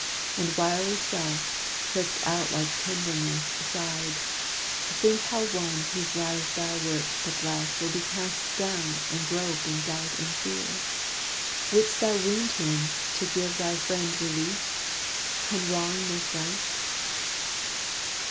And wily Self, tricked out like tenderness, Sighed, "Think how one, whose life thou wert to bless, Will be cast down, and grope in doubt and fear! Wouldst thou wound him, to give thy friend relief? Can wrong make right?"